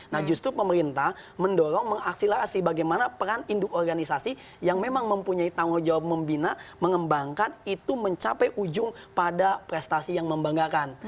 nah justru pemerintah mendorong mengaksilasi bagaimana peran induk organisasi yang memang mempunyai tanggung jawab membina mengembangkan itu mencapai ujung pada prestasi yang membanggakan